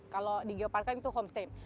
kalau di geopark tim itu homestay